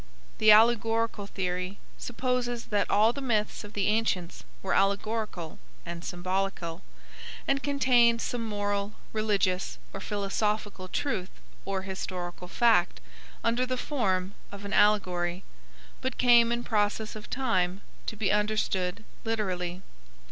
The Allegorical theory supposes that all the myths of the ancients were allegorical and symbolical, and contained some moral, religious, or philosophical truth or historical fact, under the form of an allegory, but came in process of time to be understood literally.